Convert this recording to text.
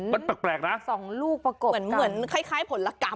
มันแปลกนะ๒ลูกประกบเหมือนคล้ายผลกรรม